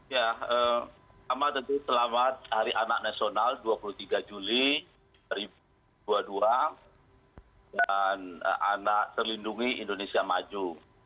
ya pertama tentu selamat hari anak nasional dua puluh tiga juli dua ribu dua puluh dua dan anak terlindungi indonesia maju